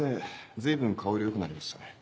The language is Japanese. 随分顔色良くなりましたね。